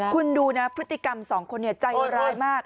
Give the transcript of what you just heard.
คุณดูนะพฤติกรรมสองคนใจร้ายมาก